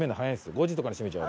５時とかに閉めちゃう。